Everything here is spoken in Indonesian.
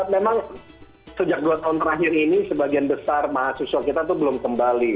memang sejak dua tahun terakhir ini sebagian besar mahasiswa kita itu belum kembali